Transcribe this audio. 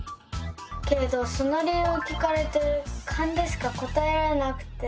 けれどその理由を聞かれてカンでしか答えられなくて。